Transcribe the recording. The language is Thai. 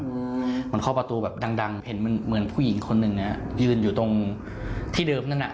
เหมือนข้อประตูดังเหมือนผู้หญิงคนหนึ่งยืนอยู่ตรงที่เดิมนั้น